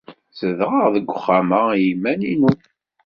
Zedɣeɣ deg wexxam-a i yiman-inu.